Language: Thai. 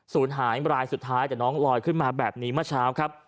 ศูนย์หายรายสุดท้ายแต่น้องลอยขึ้นมาแบบนี้เมื่อเช้าครับ